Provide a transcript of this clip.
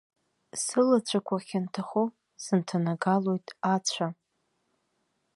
Сылацәақәа хьанҭахо сынҭанагалоит ацәа.